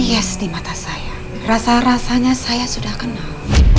yes di mata saya rasa rasanya saya sudah kenal